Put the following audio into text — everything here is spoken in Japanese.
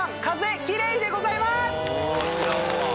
あ知らんわ。